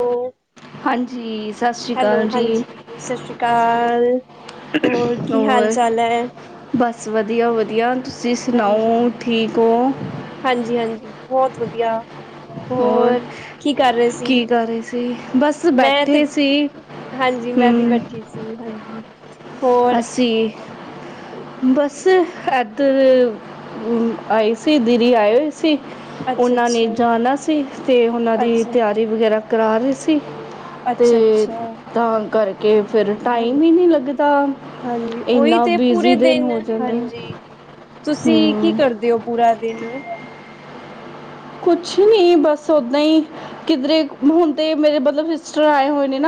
ਹਾਂ ਹਾਂਜੀ ਸਤਿ ਸ਼੍ਰੀ ਹੈਲੋ ਅਕਾਲ ਜੀ ਹਾਂਜੀ ਸਤਿ ਸ਼੍ਰੀ ਅਕਾਲ ਹੋਰ ਕੀ ਹਾਲ ਹੋਰ ਚਾਲ ਹੈ ਬਸ ਵਧੀਆ ਵਧੀਆ ਤੁਸੀਂ ਤੁਸੀਂ ਹਾਂਜੀ ਸੁਣਾਓ ਠੀਕ ਹੋ ਹਾਂਜੀ ਹਾਂਜੀ ਬਹੁਤ ਵਧੀਆ ਹੋਰ ਕੀ ਕਰ ਰਹੇ ਸੀ ਕੀ ਕਰ ਰਹੇ ਸੀ ਬਸ ਮੈਂ ਤੇ ਬੈਠੇ ਸੀ ਹਾਂਜੀ ਮੈਂ ਵੀ ਬੈਠੀ ਸੀ ਹਾਂਜੀ ਹੋਰ ਅਸੀ ਬਸ ਇਏਧਰ ਆਈ ਸੀ ਦੀਦੀ ਆਏ ਹੋਏ ਸੀ ਅੱਛਾ ਉਹਨਾਂ ਨੇ ਅੱਛਾ ਜਾਣਾ ਸੀ ਅਤੇ ਉਹਨਾਂ ਦੀ ਅੱਛਾ ਤਿਆਰੀ ਵਗੈਰਾ ਕਰਾ ਰਹੀ ਸੀ ਤੇ ਅੱਛਾ ਅੱਛਾ ਤਾਂ ਕਰ ਕੇ ਫਿਰ ਟਾਈਮ ਹੀ ਹਾਂਜੀ ਨਹੀਂ ਲੱਗਦਾ ਹਾਂਜੀ ਉਹੀ ਇੰਨਾ ਤੇ ਬ ਪੂਰੇ ਦਿਨ ਹਾਂਜੀ ਤੁਸੀਂ ਕੀ ਹਮ ਕਰਦੇ ਹੋ ਪੂਰਾ ਦਿਨ ਕੁਛ ਨਹੀਂ ਬਸ ਓਦਾਂ ਹੀ ਕਿਧਰੇ ਹੁਣ ਤੇ ਮੇਰੇ ਮਤਲਬ ਸਿਸਟਰ ਆਏ ਹੋਏ ਨੇ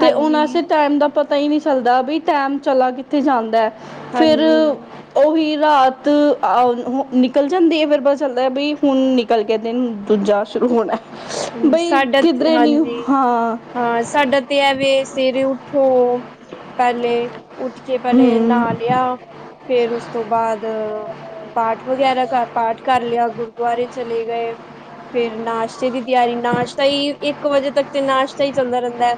ਤੇ ਹੁਣ ਅਸੀ ਟੈਮ ਦਾ ਪਤਾ ਪਤਾ ਹੀ ਨਹੀਂ ਚੱਲਦਾ ਵੀ ਟਾਈਮ ਚਲਾ ਕਿੱਥੇ ਜਾਂਦਾ ਹੈ? ਫਿਰ ਹਾਂਜੀ ਹਾਂਜੀ ਉਹੀ। ਰਾਤ ਅਹ ਹੁਣ ਨਿਕਲ ਜਾਂਦੀ ਏ ਫੇਰ ਪਤਾ ਚੱਲਦੈ ਬਈ ਹੁਣ। ਕਲ ਕੇ ਦਿਨ ਦੂਜਾ ਸ਼ੁਰੂ ਹੋਣਾ। ਹੈ। ਹਾਂਜੀ, ਬਈ ਸਾਡਾ ਤ ਕਿਧਰੇ ਨਹੀਂ ਹਾਂਜੀ, ਹਾਂ ਹਾਂ ਸਾਡਾ ਤੇ ਐਵੇਂ ਸੇਰੇ ਉੱਠੋ ਪੈਲੇ ਉੱਠ ਕੇ ਪੈਲੇ ਨਾਅ ਲੇਆ, ਫੇਰ ਉਸ ਤੋਂ ਬਾਦ ਪਾਠ ਵਗੈਰਾ ਕ, ਪਾਠ ਕਾਰ ਲੇਆ ਗੁਰਦੁਆਰੇ ਚਲੇ ਗਏ, ਫੇਰ ਨਾਸ਼ ਤੇ ਦੀ ਤੇਆਰੀ ਨਾਸ਼ਤਾ ਈ ਇੱਕ ਵਜੇ ਤੱਕ ਤੇ ਨਾਸ਼ਤਾ ਈ ਚੱਲਦਾ ਰੈਂਦਾ,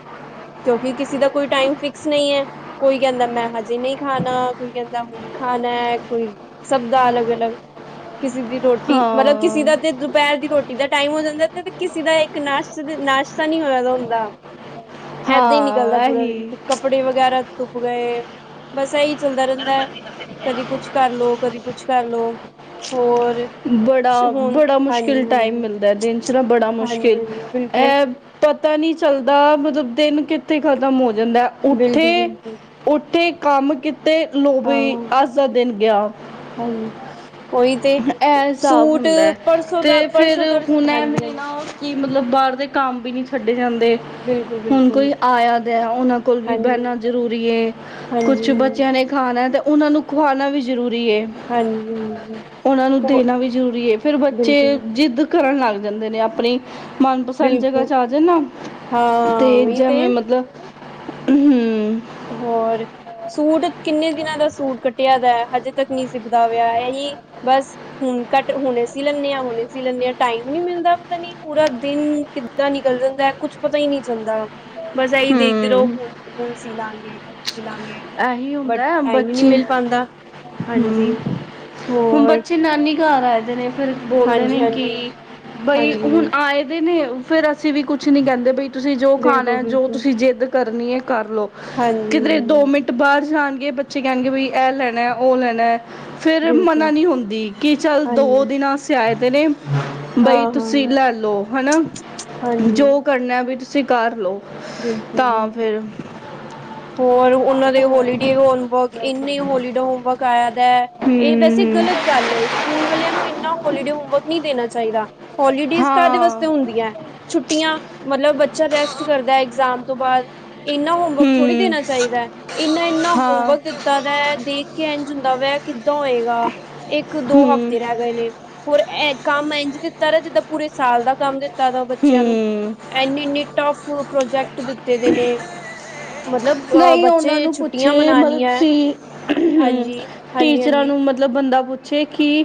ਕੇਓਂਕਿ ਕਿਸੇ ਦਾ ਕੋਈ ਟਾਈਮ ਫਿਕਸ ਨਈ ਐ, ਕੋਈ ਕੈਂਦਾ ਮੈਂ ਹਜੇ ਨਈ ਖਾਣਾ ਕੋਈ ਕੈਂਦਾ ਹੁਣ ਖਾਣਾ ਕੋਈ ਸਬ ਦਾ ਅਲੱਗ- ਅਲੱਗ ਕਿਸੇ ਦੀ ਰੋਟੀ, ਮਤਲਬ ਹਾਂ ਕਿਸੀ ਦਾ ਤੇ ਦੁਪੈਰ ਦੀ ਰੋਟੀ ਦਾ ਟਾਈਮ ਹੋ ਜਾਂਦਾ ਐ ਤੇ ਕਿਸੇ ਦਾ ਏੱਕ ਨਾਸ਼ਤ, ਨਾਸ਼ਤਾ ਨੀ ਹੋਏਆ ਦਾ ਹੁੰਦਾ। ਐਦਾਂ ਈ ਨਿਕਲਦਾ ਹਾਂ ਪੂਰਾ ਦਿਨ ਇਹੀ ਫਿਰ ਕੱਪੜੇ ਵਗੈਰਾ ਸੁੱਕ ਗਏ, ਬਸ ਐਈ ਚੱਲਦਾ ਰੈਂਦਾ, ਕਦੀ ਕੁਛ ਕਾਰ ਲੋ ਕਦੀ ਕੁਛ ਕਾਰ ਲੋ ਹੋਰ, ਬੜਾ ਹੁਣ ਹਾਂਜੀ-ਹਾਂਜੀ। ਏੱਥੇ ਨਾਂ ਬੜਾ ਮੁਸ਼ਕਿਲ, ਐ ਪਤਾ ਨੀ ਚੱਲਦਾ ਮੂਝੇ ਦਿਨ ਕਿੱਥੇ ਖਤਮ ਹੋ ਜਾਂਦਾ ਬਿਲਕੁਲ ਉੱਠੇ, ਬਿਲਕੁਲ ਉੱਠੇ ਕੰਮ ਕਿੱ ਤੇ ਲੋ ਹਾਂ ਬੀ, ਅੱਜ ਦਾ ਦੇਨ ਗੇਆ, ਹਾਂਜੀ। ਉਹੀ ਤੇ ਐ ਹਿਸਾਬ ਸੂਟ ਹੁੰਦੈ ਪਰਸੋਂ ਦਾ ਤੇ ਫੇਰ ਪਰਸੋਂ ਦਾ ਹੁਣ ਹਾਂਜੀ ਐਵੇਂ ਹਾਂਜੀ। ਨਾ ਕਿ ਮਤਲਬ ਬਾਰ ਦੇ ਕੰਮ ਵੀ ਨੀ ਛੱਡੇ ਜਾਣ ਦੇ ਬਿਲਕੁਲ ਹੁਣ ਬਿਲਕੁਲ ਕੋਈ ਆਇਆ ਗਈਆ ਉਹਨਾਂ ਕੋਲ ਵੀ ਹਾਂਜੀ ਹਾਂਜੀ ਬਹਿਣਾ ਜ਼ਰੂਰੀ ਹੈ ਕੁਛ। ਹਾਂਜੀ ਹਾਂਜੀ। ਖਾਣਾ ਤੇ ਉਹਨਾਂ ਨੂੰ ਖੁਆਣਾ ਵੀ। ਜ਼ਰੂਰੀ ਹੈ। ਹਾਂਜੀ ਹਾਂਜੀ ਉਹਨਾਂ ਨੂੰ ਹੋ ਦੇਣਾ ਵੀ ਜ਼ਰੂਰੀ ਹੈ। ਫੇਰ ਬੱਚੇ ਬਿਲਕੁਲ ਜਿੱਦ। ਕਰਨ ਲੱਗ ਜਾਂਦੇ ਨੇ ਆਪਣੀ। ਮਨਪਸੰਦ ਜਗ੍ਹਾ ਬਿਲਕੁਲ ਚ ਆ ਜੇ ਨਾ। ਹਾਂ ਤੇ ਉਹੀ ਜਿਵੇਂ ਮਤਲਬ। ਹੂੰ। ਹੋਰ ਸੂਟ ਕਿੰਨੇ ਦਿਨਾਂ ਦਾ ਸੂਟ ਕੱਟਿਆ ਦਾ। ਹਜੇ ਤੱਕ ਨਹੀਂ ਸਿਪਦਾ ਪਿਆ। ਇਹੀ ਬਸ ਹੁਣ ਕੱਟ ਹੁਣੇ ਸੀ, ਲੈਂਦੇ ਆ ਹੁਣੇ ਸੀ ਲੈਂਦੇ। ਹੂੰ, ਟਾਈਮ ਨੀ ਮਿਲਦਾ ਪਤਾ ਨੀ ਪੂਰਾ ਦਿਨ ਕਿੱਦਾਂ ਨਿਕਲ ਜਾਂਦਾ। ਕੁਛ ਪਤਾ ਹੀ ਨਹੀਂ ਚੱਲਦਾ। ਬਸ, ਇਹੀ ਦੇਖਦੇ ਰਹੋ ਹੂੰ ਹੁਣ ਹੁਣ। ਸੀ ਲਾ ਲਾਂਗੇ। ਸੀ ਲਾਂਗੇ ਇਹੀ ਬਟ ਹੁੰਦਾ। ਟਾਈਮ ਹੀ ਨਹੀਂ ਬੱਚੇ ਮਿਲ ਪਾਉਂਦਾ ਹਾਂਜੀ ਹੂੰ ਹੁਣ ਹੋਰ ਬੱਚੇ ਨਾਨੀ ਘਰ ਆਏਦੇ ਨੇ। ਫਿਰ ਬੋਲਦੇ ਹਾਂਜੀ ਨੇ ਹਾਂਜੀ ਕਿ ਬਈ ਹਾਂਜੀ ਹੁਣ ਆਏ ਦੇ ਨੇ। ਫੇਰ ਅਸੀਂ ਵੀ ਕੁਛ ਨੀ ਕਹਿੰਦੇ ਬਈ। ਤੁਸੀਂ ਜੋ ਬਿਲਕੁਲ ਖਾਣਾ ਜੋ ਬਿਲਕੁਲ ਤੁਸੀਂ ਜਿੱਦ। ਕਰਨੀ ਹੈ। ਕਰਲੋ, ਕਿਧਰੇ ਹਾਂਜੀ-ਹਾਂਜੀ, ਦੋ ਮਿੰਟ ਬਾਰ ਜਾਣਗੇ ਬੱਚੇ ਕੈਣਗੇ ਬਈ ਐ ਲੈਣੈ ਔ ਲੈਣੈ। ਫੇਰ ਮਨਾ ਬਿਲਕੁਲ ਨੀ ਹੁੰਦੀ ਕਿ ਚੱਲ ਦੋ ਹਾਂਜੀ, ਦਿਨਾਂ ਸੇ ਆਏ ਦਿਨੇ ਬਈ ਹਾਂ-ਹਾਂ, ਤੁਸੀਂ ਲੈ ਲੋ ਹਨਾ ਜੋ ਕਰਨਾ ਵਈ ਤੁਸੀਂ ਕਰ ਲੋ। ਬਿਲਕੁਲ ਬਿਲਕੁਲ। ਹੋਰ ਔਨਾਂ ਦ ਡੇ ਹੋਮਵਰਕ ਇੰਨੇ ਹੋਲੀਡੇ ਹੋਮਵਰਕ ਆਯੈ ਦੈ, ਹੂੰ ਏ ਵੈਸੇ ਹੂੰ ਗਲਤ ਗੱਲ ਐ ਸਕੂਲ ਵਾਲਿਆਂ ਨੂੰ ਇੰਨਾ ਹੋਲੀਡੇ ਹੋਮਵਰਕ ਨੀ ਦੇਣਾ ਚਾਈਦਾ। ਹੋਲੀਡੇਸ ਕਾਦੇ ਹਾਂ ਵਾਸਤੇ ਹੁੰਦੀਐਂ ਛੁੱਟੀਆਂ ਮਤਲਬ ਬੱਚਾ ਰੈਸਟ ਕਰਦੈ ਇਗਜ਼ਾਮ ਤੋਂ ਬਾਦ। ਇੰਨਾ ਹੋਮਵਰਕ ਥੋੜ੍ਹੀ ਹੂੰ ਦੇਣਾ ਚਾਹੀਦੈ, ਇੰਨਾ-ਇੰਨਾ ਹਾਂ ਹੋਮਵਰਕ ਦਿੱਤੈ ਦੈ ਦੇਖ ਕੇ ਐੰਝ ਹੁੰਦਾ ਪਯੈ ਕਿ ਦਾ ਹੋਏਗਾ ਇੱਕ ਦੋ ਹੂੰ ਹਫ਼ਤੇ ਰੈ ਗਏ ਨੇ ਹੋਰ ਐ ਕੰਮ ਐੰਝ ਦਿੱਤਾ ਰੈ, ਜਿੱਦਾਂ ਪੂਰੇ ਸਾਲ ਦਾ ਕੰਮ ਦਿੱਤਾ ਦਾ ਬੱਚਿਆਂ ਨੂੰ ਹੂੰ ਐਨੀ ਐਨੀ ਟਫ ਪ੍ਰੋਜੈਕਟ ਦਿੱਤੇ ਦੇ ਨੇ। ਮਤਲਬ ਅ ਨਹੀਂ ਔਨਾਂ ਬੱਚੇ ਨੂੰ ਛੁੱਟੀਆਂ ਪੁੱਛੇ ਮਤਲਬ ਮਨਾਣੀਆਂ ਹੈ। ਤੁਸੀਂ ਹੂੰ ਹਾਂਜੀ, ਹਾਂਜੀ, ਟੀਚਰਾਂ ਹਾਂਜੀ। ਨੂੰ ਮਤਲਬ ਬੰਦਾ ਪੁੱਛੇ ਕਿ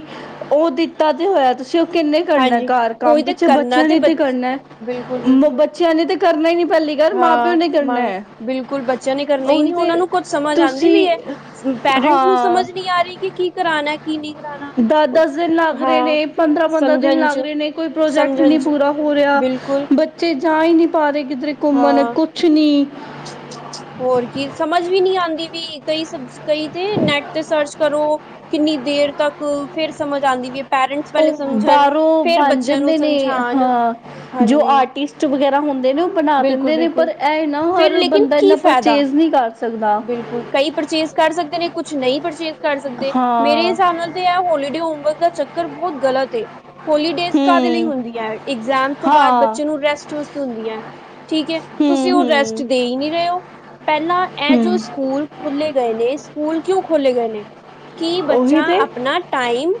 ਔ ਦਿੱਤਾ ਤੇ ਹੋਯੈ ਤੁਸੀਂ। ਕਿੰਨੇ ਕਰਨੈ ਹਾਂਜੀ, ਘਰ ਕੰਮ ਕੋਈ ਤੇ ਪਿੱਛੇ ਕਰਨਾ ਬੱਚਿਆਂ ਨੇ ਈ ਬ ਤੇ ਕਰਨੈ, ਬਿਲਕੁਲ, ਬਿਲਕੁਲ ਬੱਚਿਆਂ ਨੇ ਤੇ ਕਰਨਾ ਈ ਨੀ ਪੈਲੇ ਹਾਂ, ਮ ਬਿਲਕੁਲ ਬੱਚਿਆਂ ਨੇ ਕਰਨੇ ਈ ਉਹੀ ਨੀ ਤੇ ਔਨਾਂ ਨੂੰ ਕੁੱਝ ਸਮਝ ਆਂਦੀ ਪੀ ਤੁਸੀਂ ਏ, ਪੈਰੈਂਟਸ ਨੂੰ ਹਾਂ ਸਮਝ ਨੀ ਆ ਰੀ ਕਿ ਕੀ ਕਰਾਣੈ। ਦਸ ਦਸ ਦਿਨ ਲੱਗ ਰੇ ਨੇ ਪੰਦਰਾਂ ਪੰਦਰਾਂ ਦਿਨ ਸਮਝਣ ਲੱਗ ਚ ਰੇ ਨੇ, ਕੋਈ ਪ੍ਰੋਜੈਕਟ ਸਮਝਣ ਨੀ ਚ ਪੂਰਾ ਹੋ ਰਿਆ, ਬਿਲਕੁਲ ਬੱਚੇ ਜਾ ਹੀ ਨੀ ਪਾ ਰ ਕਿਧਰ ਘੁੰਮਣ ਹਾਂ। ਕੁਛ ਨੀ। ਹੋਰ ਕੀ ਸਮਝ ਵੀ ਨੀ ਆੰਦੀ ਵੀ ਕਈ ਸਬਜੈਕਟ ਕਈ ਤੇ ਨੈਟ ਤੇ ਸਰਚ ਕਰੋ ਕਿੰਨੀ ਦੇਰ ਤੱਕ ਕੁ ਫੇਰ ਸਮਝ ਆਂਦੀ ਵੀਏ। ਔ ਬਾਰੋਂ ਬਣ ਨੂੰ ਜਾਂਦੇ ਨੇ ਸਮਝਾਉਣ ਹਾਂ ਜੋ ਹਾਂਜੀ ਆਰਟਿਸਟ ਵਗੈਰਾ ਹੁੰਦੇ ਨੇ। ਬਣਾ ਬਿਲਕੁਲ ਦਿੰਦੇ ਨੇ ਪਰ ਬਿਲਕੁਲ ਐ ਏਨਾ ਫਿਰ ਹਰ ਲੇਕਿਨ ਬੰਦਾ ਕੀ ਇੰਨਾ ਫਾਇਦਾ ਪਰਚੇਜ ਨਹੀਂ ਕਰ ਸਕਦਾ ਬਿਲਕੁਲ, ਕਈ ਪਰਚੇਸ ਕਰ ਸਕਦੇ ਨੇ ਕੁਛ ਨਹੀਂ ਪਰਚੇਜ ਕਰ ਸਕਦੇ, ਮੇਰੇ ਹਾਂ ਹਿਸਾਬ ਨਾਲ ਤੇ ਇਹ ਹੋਲੀਡੇ ਹੋਮਵਰਕ ਦਾ ਚੱਕਰ ਚੱਕਰ ਬਹੁਤ ਗ਼ਲਤ ਹੈ। ਹੋਲੀਡੇਜ਼ ਕਾਹਦੇ ਲਈ ਹੂੰ ਹੁੰਦੀ ਹੈ। ਇਗਜ਼ਾਮ ਤੋਂ ਬਾਅਦ ਹਾਂ ਬੱਚੇ ਨੂੰ ਰੈਸਟ ਵਾਸਤੇ ਹੁੰਦੀ ਹੈ, ਠੀਕ ਹੈ। ਹੂੰ ਤੁਸੀਂ ਉਹ ਰੈਸਟ ਹੂੰ ਦੇ ਹੀ ਨਹੀਂ ਰਹੇ ਹੋ, ਪਹਿਲਾਂ ਜੋ ਹੂੰ ਸਕੂਲ ਖੋਲ੍ਹੇ ਗਏ ਨੇ ਸਕੂਲ ਕਿਉਂ ਖੋਲ੍ਹੇਲ ਗਏ ਨੇ ਕੀ ਉਹੀ ਬੱਚਾ ਤੇ ਆਪਣਾ ਟਾਈਮ,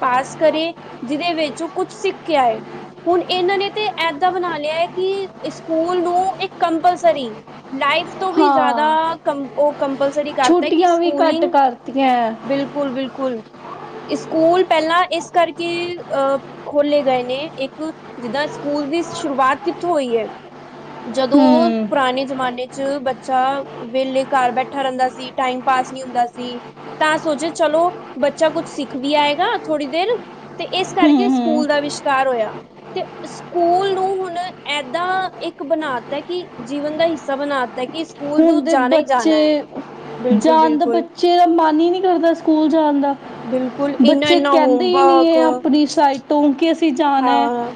ਪਾਸ ਕਰੇ। ਜਿਹਦੇ ਵਿੱਚ ਉਹ ਕੁਛ ਸਿੱਖਿਆ ਕੇ ਆਏ ਹੁਣ ਇਹਨਾਂ ਨੇ ਤੇ ਏਦਾਂ ਬਣਾ ਲਿਆ ਹੈ ਕਿ ਸਕੂਲ ਨੂੰ ਇੱਕ ਕੰਪਲਸਰੀ ਲਾਈਫ ਤੋਂ ਵੀ ਜ਼ਿਆਦਾ ਹਾਂ ਕੰ ਉਹ ਕੰਪਲਸਰੀ ਕਰਤਾ ਕਿ ਛੁੱਟੀਆਂ ਵੀ ਘੱਟ ਸਕੂਲਿੰਗ, ਕਰਤੀਆਂ ਬਿਲਕੁਲ- ਬਿਲਕੁਲ, ਸਕੂਲ ਪਹਿਲਾਂ ਇਸ ਕਰਕੇ ਅ ਖੋਲ੍ਹੇ ਗਏ ਨੇ ਇੱਕ, ਜਿੱਦਾਂ ਸਕੂਲ ਦੀ ਸ਼ੁਰੂਆਤ ਕਿੱਥੋਂ ਹੋਈ ਹੈ। ਜਦੋਂ ਹੂੰ ਪੁਰਾਣੇ ਜਮਾਨੇ 'ਚ ਬੱਚਾ ਵੇਲੇ ਘਰ ਬੈਠਾ ਰਹਿੰਦਾ ਸੀ, ਟਾਈਮ ਪਾਸ ਨੀ ਹੁੰਦਾ ਸੀ, ਤਾਂ ਸੋਚੇ ਚਲੋ, ਬੱਚਾ ਕੁਛ ਸਿੱਖ ਵੀ ਆਏਗਾ, ਥੋੜੀ ਦੇਰ ਤੇ ਇਸ ਹੂੰ ਕਰਕੇ ਹੂੰ ਸਕੂਲ ਅਵਸ਼ਕਾਰ ਹੋਇਆ। ਤੇ ਸਕੂਲ ਨੂੰ ਹੁਣ ਏਦਾਂ ਇੱਕ ਬਣਾ ਤਾਂ ਕਿ ਜੀਵਨ ਦਾ ਹਿੱਸਾ ਬਣਾ ਤਾਂ ਕਿ ਸਕੂਲ ਨੂੰ ਤੇ ਜਾਣਾ ਹੀ ਜਾਣਾ ਹੈ ਬੱਚੇ, ਬਿਲਕੁਲ ਜਾਣ ਦਾ ਬਿਲਕੁਲ ਬੱਚੇ ਦਾ ਮਨ ਹੀ ਨੀ ਕਰਦਾ ਸਕੂਲ ਜਾਣ ਦਾ। ਬਿਲਕੁਲ ਇੰਨਾ ਬੱਚੇ ਇੰਨਾ ਕਹਿੰਦੇ ਹੀ ਨਹੀਂ ਹੋਮਵਰਕ ਹੈ ਆਪਣੀ ਸਾਈਡ ਤੋਂ ਕਿ ਅਸੀਂ ਜਾਣਾ ਹੈ ਹਾਂ,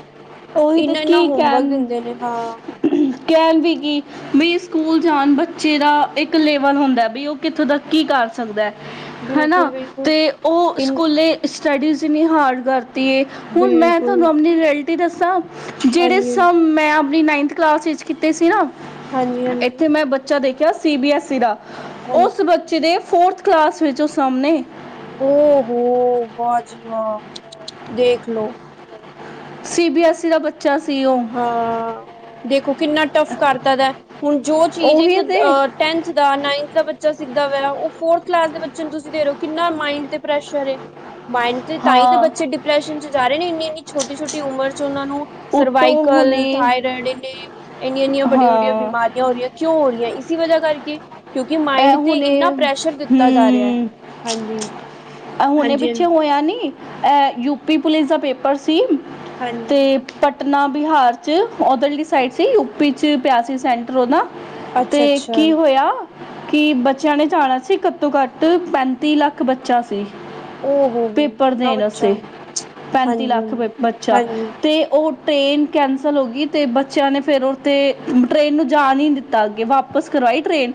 ਉਹੀ ਤੇ ਇਨਾ-ਇਨਾ ਕੀ ਹੋਮਵਰਕ ਕਹਿਣ ਦਿੰਦੇ ਨੇ, ਹਾਂ। [unintelligible] ਵੀ ਨਹੀਂ ਸਕੂਲ ਜਾਨ ਬੱਚੇ ਦਾ ਇੱਕ ਲੇਵਲ ਹੁੰਦਾ, ਬ ਉਹ ਕਿੱਥੋਂ ਤੱਕ ਕੀ ਕਰ ਸਕਦਾ ਹਾਂ। ਹਨਾ, ਬਿਲਕੁਲ ਬਿਲਕੁਲ ਤੇ ਉਹ ਇਨ ਸਕੂਲੇ ਸਟੱਡੀਜ਼ ਇਨਨੀ ਹਾਰਡ ਵਰਕ ਹੁਣ ਮੈਂ ਬਿਲਕੁਲ ਤੁਹਾਨੂੰ ਆਪਣੇ ਤੇ ਦੱਸਾਂ। ਜਿਹੜੇ ਹਾਂਜੀ ਹਾਂਜੀ [unintelligible] ਮੈ ਆਪਣੀ ਨਾਈਨਥ ਕਲਾਸ ਵਿੱਚ ਕੀ ਕੀਤੀ ਸੀ ਨਾ ਹਾਂਜੀ -ਹਾਂਜੀ। ਇੱਥੇ ਮੈਂ ਬੱਚਾ ਦੇਖਿਆ ਸੀ ਬੀ ਐੱਸ ਈ ਦਾ ਉਸ ਹਾਂਜੀ ਬੱਚੇ ਦੇ ਫੋਰਥ ਕਲਾਸ ਵਿੱਚ ਉਹ ਸਮ ਨੇ। ਔਹੋ! ਵਾਹ ਜੀ ਵਾਹ, ਦੇਖ ਲੋੋ ਸੀ ਬੀ ਐਸ ਈ ਦਾ ਬੱਚਾ ਸੀ ਉਹ ਹਾਂ, ਦੇਖੋ ਕਿੰਨਾ ਟਫ ਕਰਤ ਦਾ, ਹੁਣ ਜੋ ਚੀਜ਼ ਇੱਕ ਉਹੀ ਤੇ ਟੈਨਥ ਦਾ, ਨਾਈਨਥ ਦਾ ਬੱਚਾ ਸੀ ਉਹ ਫੋਰਥ ਕਲਾਸ ਦੇ ਬੱਚੇ ਨੂੰ ਤੁਸੀਂ ਦੇ ਰਹੇ ਹੋ, ਕਿੰਨਾ ਮਾਇੰਡ ਤੇ ਪ੍ਰੈਸ਼ਰ ਏ। ਮਾਇੰਡ ਤੇ ਤਾਂ ਹੀ ਤਾਂ ਹਾਂ ਬੱਚੇ ਡਿਪ੍ਰੈਸ਼ਨ ਚ ਜਾ ਰਹੇ ਨੇ, ਇੰਨੀ ਇੰਨੀ ਛੋਟੀ ਛੋਟੀ ਉਮਰ ਚ ਉਹਨਾਂ ਨੂੰ ਉਤੋਂ ਸਰਵਾਈਕਲ, ਹੁਣੇ ਥਾਇਰੋਇਡ, ਇਹ ਇਨੀਆਂ ਇਨੀਆਂ ਵੱਡੀਆਂ ਵੱਡੀਆਂ ਹਾਂ ਬਿਮਾਰੀਆਂ ਹੋ ਰਹੀਆਂ, ਕਿਉਂ ਹੋ ਰਹੀਆਂ ਕਿਸ ਦੀ ਵਜ੍ਹਾ ਕਰਕੇ ਇਹ ਮਾਇੰਡ ਤੇ ਹੁਣੇ, ਇੰਨਾ ਪ੍ਰੈਸ਼ਰ ਦਿੱਤਾ ਜਾ ਰਿਹਾ ਹੈ ਹੂੰ, ਹਾਂਜੀ ਆ ਹੁਣੇ ਹਾਂਜੀ ਪਿੱਛੇ ਹਾਂਜੀ ਹੋਇਆ ਨੀ ਅ ਯੂਪੀ ਪੁਲਿਸ ਦਾ ਪੇਪਰ ਸੀ ਤੇ ਹਾਂਜੀ, ਪਟਨਾ ਬਿਹਾਰ ਚ ਉਹਧਰ ਸਾਈਡ ਸੀ, ਯੂ ਪੀ ਚ ਪਿਆਸੀ ਸੈਂਟਰ ਉਹਨਾ ਤੇ ਅੱਛਾ-ਅੱਛਾ, ਕੀ ਹੋਇਆ ਕਿ ਬੱਚਿਆਂ ਨੇ ਜਾਣਾ ਸੀ, ਘੱਟੋ ਘੱਟ ਪੈਂਤੀ ਲੱਖ ਬੱਚਾ ਓ ਹੋ ਹੋ ਪੇਪਰ ਇੰਨਾ ਦੇਣ ਬੱਚਾ ਵਾਸਤੇ, ਪੈਂਤੀ ਲੱਖ ਹਾਂਜੀ-ਹਾਂਜੀ। ਬੱਚਾ ਹਾਂਜੀ, ਤੇ ਉਹ ਟਰੇਨ ਕੈਂਸਲ ਹੋ ਗਈ ਤੇ ਬੱਚਿਆਂ ਨੇ ਫਿਰ ਉਥੇ ਟਰੇਨ ਨੂੰ ਜਾਣ ਹੀ ਨਹੀਂ ਦਿੱਤਾ ਅੱਗੇ, ਵਾਪਸ ਕਰਵਾਈ ਟਰੇਨ।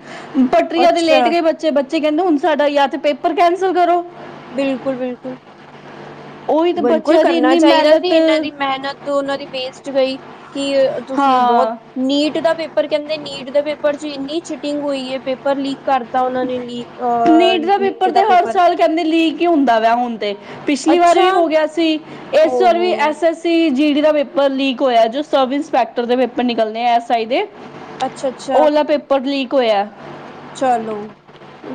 ਪਟਰੀਆਂ ਤੇ ਲੇਟ ਅੱਛਾ ਗਏ ਬੱਚੇ ਬੱਚੇ ਕਹਿੰਦੇ ਹੁਣ ਸਾਡਾ ਜਾਂ ਤੇ ਪੇਪਰ ਕੈਂਸਲ ਕਰੋ ਬਿਲਕੁਲ ਬਿਲਕੁਲ। ਉਹੀ ਤੇ ਬਿਲਕੁਲ ਬੱਚਿਆਂ ਦੀ ਕਰਨਾ ਇੰਨੀ ਚਾਹੀਦਾ ਸੀ। ਮਿਹਨਤ ਇਹਨਾਂ ਦੀ ਮੇਹਨਤ ਤੇ ਉਹਨਾਂ ਦੀ ਵੇਸਟ ਗਈ। ਕੀ ਤੁਸੀਂ ਬਹੁਤ ਹਾਂ ਨੀਟ ਦਾ ਪੇਪਰ ਕਹਿੰਦੇ, ਨੀਟ ਨੀਟ ਦੇ ਪੇਪਰ ਚ, ਇੰਨੀ ਚੀਟਿੰਗ ਹੋਈ ਏ ਪੇਪਰ ਲੀਕ ਕਰਤਾ ਓਨਾਂ ਨੇ ਲੀਕ ਅ ਨੀਟ ਦਾ ਪੇਪਰ ਤੇ ਹਰ ਸਾਲ ਕਹਿੰਦੇ, ਲੀਕ ਹੀ ਹੁੰਦਾ ਵਾ ਹੁਣ ਤੇ। ਪਿਛਲੀ ਵਾਰ ਅੱਛਾ, ਵੀ ਹੋ ਗਿਆ ਸੀ। ਇਸ ਓ ਵਾਰ ਵੀ ਹੋ S S C G D ਦਾ ਪੇਪਰ ਲੀਕ ਹੋਇਆ, ਜੋ ਸਬ ਇੰਸਪੈਕਟਰ ਦੇ ਪੇਪਰ ਨਿਕਲਣੇ ਐਸ ਆਈ ਦੇ। ਉਹ ਅੱਛਾ-ਅੱਛਾ। ਵਾਲਾ ਪੇਪਰ ਲੀਕ ਕੁਇਆ ਚਲੋ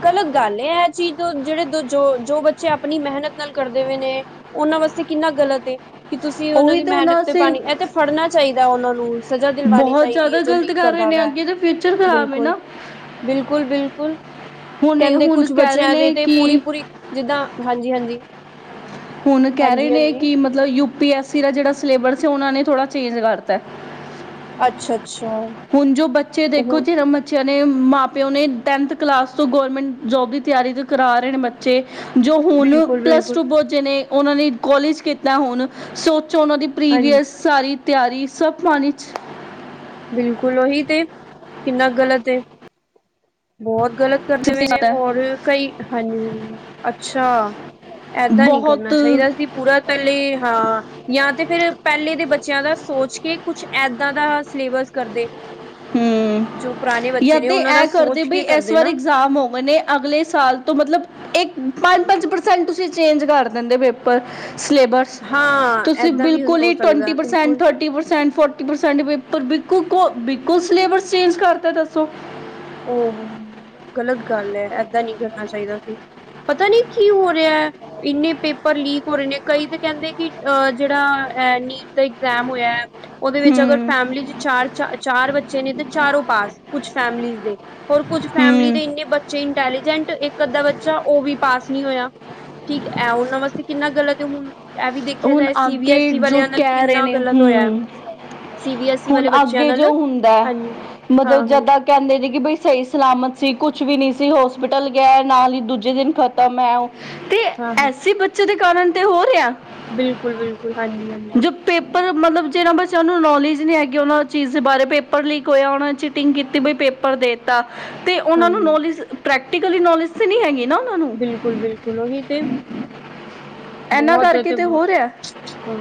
ਗਲਤ ਗੱਲ ਏ, ਇਹ ਚੀਜ਼ ਜਿਹੜੇ ਦ ਜੋ ਜੋ ਬੱਚੇ ਆਪਣੀ ਮਿਹਨਤ ਨਾਲ ਕਰਦੇ ਪਏ ਨੇ, ਉਹਨਾਂ ਵਾਸਤੇ ਕਿੰਨਾ ਗਲਤ ਏ। ਕਿ ਤੁਸੀਂ ਉਹਨਾਂ ਉਹੀ ਦੀ ਹੁਣ ਮਿਹਨਤ ਤੇ ਅਸੀਂ ਪਾਣੀ, ਇਹ ਤੇ ਫੜਨਾ ਚਾਹੀਦਾ ਉਹਨਾਂ ਨੂੰ, ਸਜ਼ਾ ਦਿਲਵਾਉਣੀ ਬਹੁਤ ਚਾਹੀਦੀ ਜ਼ਿਆਦਾ ਏ, ਜੋ ਗਲਤ ਲੀਕ ਕਰ ਰਹੇ ਕਰਦਾ ਨੇ ਪਿਆ ਅੱਗੇ ਤਾਂ ਫਿਊਚਰ ਖਰਾਬ ਹੈ ਬਿਲਕੁਲ। ਨਾ ਬਿਲਕੁਲ ਬਿਲਕੁਲ। ਹੁਣ ਇਹ ਕਹਿੰਦੇ ਹੁਣ ਕੁਛ ਕਹਿ ਰਹੇ ਬੱਚਿਆਂ ਦੇ ਨੇ ਤੇ ਪੂਰੀ ਕਿ ਪੂਰੀ ਜਿੱਦਾਂ, ਹਾਂਜੀ ਹਾਂਜੀ। [unintelligible] ਹੁਣ ਕਹਿ ਰਹੇ ਹਾਂਜੀ ਨੇ, ਹਾਂਜੀ ਕਿ ਮਤਲਬ ਯੂਪੀ ਐਸ ਦਾ ਜਿਹੜਾ ਸਿਲੇਬਸ ਓਹਨਾ ਨੇ ਥੋੜਾ ਚੇਂਜ ਕਰਤਾ। ਅੱਛਾ। ਅੱਛਾ ਹੁਣ ਜੋ ਬੱਚੇ ਦੇਖੋ ਉਹ ਜੀ ਆਪਣੇ ਮਾਂ ਪਿਓ ਨੇ ਟੈਨਥ ਕਲਾਸ ਤੋਂ ਗਵੌਰਰਮੈਂਟ ਜੋਬ ਦੀ ਤਿਆਰੀ ਕਰਾ ਰਹੇ ਨੇ ਬੱਚੇ। ਜੋ ਹੁਣ ਬਿਲਕੁਲ ਪਲੱਸ ਬਿਲਕੁਲ ਟੂ ਪੰਹੁਚੇ ਨੇ। ਉਹਨਾਂ ਨੇ ਕੋਲਜ ਕੀਤਾ ਹੁਣ ਸੋ। 'ਚੋ ਉਹਨਾਂ ਦੀ ਹਾਂਜੀ ਪ੍ਰੀਵੀਅਸ ਸਾਰੀ। ਤਿਆਰੀ ਸਭ ਪਾਣੀ 'ਚ। ਬਿਲਕੁਲ ਉਹੀ ਤੇ ਕਿੰਨਾ ਗਲਤ ਏ ਬਹੁਤ। ਗਲਤ ਕਰਦੇ ਹੋਏ ਨੇ ਹੋਰ ਕਈ ਹਾਂਜੀ ਹਾਂਜੀ ਅੱਛਾ ਏਦਾਂ ਨੀ ਬਹੁਤ ਕਰਨਾ ਚਾਹੀਦਾ ਸੀ ਪੂਰਾ ਪਹਿਲੇ ਹਾਂ ਜਾਂ ਤੇ ਫਿਰ ਪਹਿਲੇ ਦੇ ਬੱਚਿਆਂ ਦਾ ਸੋਚ ਕੇ। ਕੁੱਛ ਇੱਦਾਂ ਦਾ। ਸਿਲੇਬਸ ਕਰਦੇ। ਹੂੰ ਜੋ ਪੁਰਾਣੇ ਜਾਂ ਬੱਚੇ ਨੇ ਤੇ ਉਹਨਾਂ ਦਾ ਇਹ ਕਰਦੇ ਸੋਚ ਬਈ ਕੇ ਇਸ ਕਰਦੇ ਵਾਰ ਨਾ ਇਗਜ਼ਾਮ ਹੋ ਗਏ ਨੇ ਅਗਲੇ ਸਾਲ ਤੋਂ ਮਤਲਬ ਇੱਕ। ਪੰਜ ਪੰਜ ਪ੍ਰਸੈਂਟ ਤੁਸੀਂ ਚੇਂਜ ਕਰ ਦਿੰਦੇ ਪੇਪਰ। ਸਿਲੇਬਸ ਹਾਂ ਤੁਸੀਂ ਏਦਾਂ ਵੀ ਬਿਲਕੁਲ ਹੋ ਹੀ ਟਵਾਣਟੀ ਸਕਦਾ ਪਰਸੈਂਟ ਬਿਲਕੁਲ ਥਟੀ ਪਰਸੈਂਟ ਫੋਟੀ ਪਰਸੈਂਟ ਪੇਪਰ। ਪਰ ਬਕੂ ਕੋ ਬ। ਕੁਝ ਸਿਲੇਬਸ ਚੇਂਜ ਕਰਤਾ ਦੱਸੋ? ਉਹ ਗਲਤ ਗੱਲ ਹੈ ਏਦਾਂ ਨੀ ਕਰਨਾ ਚਾਹੀਦਾ ਸੀ ਪਤਾ ਨੀ ਕੀ ਹੋ ਰਿਹਾ ਇੰਨੇ ਪੇਪਰ ਲੀਕ ਹੋ ਰਹੇ ਨੇ ਕਈ ਤੇ ਕਹਿੰਦੇ ਕਿ ਜਿਹੜਾ ਐ ਨੀਟ ਦਾ ਇਗਜਾਮ ਹੋਇਆ। ਉਹਦੇ ਵਿੱਚ ਅਗਰ ਹੂੰ ਫੈਮਿਲੀ ਚ ਚਾਰ ਚਾਰ ਬੱਚੇ ਨੇ ਤੇ ਚਾਰੋ ਪਾਸ ਕੁਛ ਫੈਮਲੀ। ਹੋਰ ਕੁੱਝ ਫੈਮਿਲੀ ਹੂੰ ਦੇ ਇੰਨੇ ਬੱਚੇ ਇੰਟੈਲੀਜੈਂਟ ਇੱਕ। ਇੰਦਾ ਬੱਚਾ ਉਹ ਵੀ ਪਾਸ ਨਹੀਂ ਹੋਇਆ ਠੀਕ ਐ ਉਹਨਾਂ ਵਾਸਤੇ ਕਿੰਨਾ ਗਲਤ ਹੈ ਹੁਣ। ਇਹ ਵੀ ਦੇਖਿਆ ਹੁਣ ਜਾਏ ਸੀ ਬੀ ਅੱਗੇ ਐਸ ਈ ਜੋ ਵਾਲਿਆਂ ਨਾਲ ਕਹਿ ਰਹੇ ਕਿੰਨਾ ਨੇ ਗਲਤ ਹੋਇਆ ਹੂੰ ਸੀ ਬੀ ਐਸ ਈ ਹੁਣ ਵਾਲੇ ਬੱਚਿਆਂ ਅੱਗੇ ਨਾਲ ਜੋ ਹੁੰਦਾ ਹਾਂਜੀ ਹਾਂ ਮਤਲਬ ਜਾ ਹਾਂ ਤਾ ਕਹਿੰਦੇ ਨੇ ਕਿ ਬਈ। ਸਹੀ ਸਲਾਮਤ ਸੀ ਕੁਛ ਵੀ ਨਹੀਂ ਸੀ ਹੋਸਪਿਟਲ ਗਿਆ ਨਾਲ ਹੀ ਦੂਜੇ ਦਿਨ ਖ਼ਤਮ ਹੈ ਉਹ। ਤੇ ਹਾਂ ਹਾਂ ਐਸੀੇ ਬੱਚੇ ਦੇ। ਕਰਨ ਤੇ ਹੋ ਰਿਹਾ ਹੈ। ਬਿਲਕੁਲ ਬਿਲਕੁਲ ਹਾਂਜੀ ਹਾਂਜੀ। ਪਰ ਮਤਲਬ ਜਿਹਨਾਂ ਬੱਚਿਆਂ ਨੂੰ ਨੌਲੇਜ ਨਹੀਂ ਹੈਗੀ ਉਹਨਾਂ ਚੀਜ਼ ਦੇ ਬਾਰੇ ਪੇਪਰ ਲੀਕ ਹੋਇਆ ਉਹਨਾਂ ਨੇ ਚੀਟਿੰਗ ਕੀਤੀ ਬਈ ਪੇਪਰ ਦੇਤਾ। ਤੇ ਹਾਂ। ਉਹਨਾਂ ਨੂੰ ਨੌਲੇਜ। ਪ੍ਰੈਕਟੀਕਲੀ ਨੌਲੇਜ ਤੇ ਨਹੀਂ ਹੈਗੀ। ਨਾ ਉਹਨਾਂ ਨੂੰ ਬਿਲਕੁਲ ਬਿਲਕੁਲ ਉਹੀ ਤੇ ਬਹੁਤ। ਤੇ ਕਿਤੇ ਹੋ ਬਹੁਤ ਰਿਹਾ ਹਾਂ।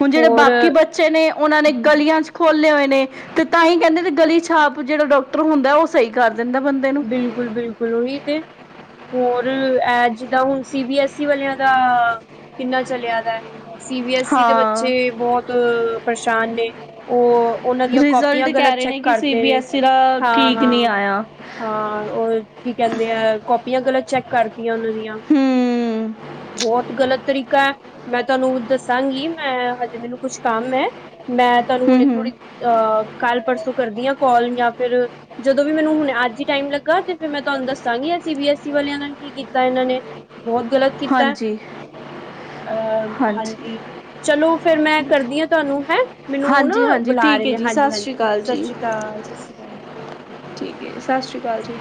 ਹੁਣ ਜਿਹੜੇ ਹੋਰ ਬਾਕੀ ਬੱਚੇ ਨੇ ਉਹਨਾਂ ਨੇ ਗਲੀਆਂ ਚ ਖੋਲੇ ਹੋਏ ਨੇ। ਨੇ ਤੇ ਤਾਂ ਹੀ ਕਹਿੰਦੇ ਗਲੀ ਛਾਪ ਜਿਹੜਾ ਡਾਕਟਰ ਹੁੰਦਾ ਉਹ ਸਹੀ ਕਰ। ਦਿੰਦਾ ਬੰਦੇ ਨੂੰ ਬਿਲਕੁਲ ਬਿਲਕੁਲ ਉਹੀ ਤੇ ਹੋਰ। ਐ ਜਿੱਦ ਹੁਣ ਸੀ ਬੀ ਐਸ ਈ ਵਾਲਿਆਂ ਦਾ ਕਿੰਨਾ ਚਲਿਆ ਦਾ। ਸੀ ਬੀ ਐਸ ਈ ਦੇ ਹਾਂ ਬੱਚੇ ਬਹੁਤ। ਸ਼ਾਨ ਨੇ ਉਹ ਉਹਨਾਂ ਦੀਆਂ ਰਿਜ਼ਲਟ ਕਾਪੀਆਂ ਕਹਿ ਗਲਤ ਰਹੇ ਚੈੱਕ ਨੇ ਕਿ ਸੀ ਕਰਦੇ ਬੀ ਨੇ ਐਸ ਈ ਦਾ ਹਾਂ ਠੀਕ ਹਾਂ ਨੀ ਆਇਆ। ਹਾਂ ਉਹ ਕੀ ਕਹਿੰਦੇ ਆ ਕਾਪੀਆਂ ਕਰ ਚੈੱਕ ਕਰ ਉਹਨਾਂ ਦੀਆਂ ਹੂੰ ਬਹੁਤ ਗਲਤ ਤਰੀਕਾ ਹੈ। ਮੈਂ ਤੁਹਾਨੂੰ ਦੱਸਾਂਗੀ ਮੈਂ ਹਜੇ ਮੈਨੂੰ ਕੁਛ ਕੰਮ ਹੈ ਮੈਂ ਤੁਹਾਨੂੰ ਹੂੰ ਹੁਣ ਹੂੰ ਥੋੜ੍ਹੀ ਅਹ ਕੱਲ ਪਰਸੋਂ ਕਰਦੀ ਹਾਂ ਕਾਲ ਜਾਂ ਫਿਰ ਜਦੋਂ ਵੀ ਮੈਨੂੰ ਹੁਣ ਅੱਜ ਟਾਈਮ ਲੱਗਾ ਤੇ ਫਿਰ ਮੈਂ ਤੁਹਾਨੂੰ ਦੱਸਾਂਗੀ ਸੀ ਬੀ ਐਸ ਈ ਵਾਲਿਆਂ ਨਾਲ ਕੀ ਕੀਤਾ ਇਹਨਾਂ ਨੇ ਬਹੁਤ ਗ਼ਲਤ ਕੀਤਾ ਹਾਂਜੀ ਅਹ ਹਾਂਜੀ ਚਲੋ ਫਿਰ ਮੈਂ ਕਰਦੀ ਹਾਂ ਤੁਹਾਨੂੰ ਹੈ ਮੈਨੂੰ ਨਾ ਹਾਂਜੀ ਹਾਂਜੀ ਬੁਲਾ ਠੀਕ ਰਹੇ ਹੈ ਨੇ ਜੀ ਹਾਂਜੀ ਸਤਿ ਸ਼੍ਰੀ ਹਾਂਜੀ ਅਕਾਲ ਸਤਿ ਜੀ ਸ਼੍ਰੀ ਅਕਾਲ ਸਤਿ ਸ਼੍ਰੀ ਅਕਾਲ। ਠੀਕ ਹੈ ਸਤਿ ਸ਼੍ਰੀ ਅਕਾਲ ਜੀ।